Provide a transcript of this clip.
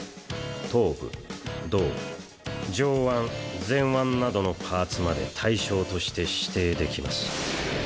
頭部胴上腕前腕などのパーツまで対象として指定できます。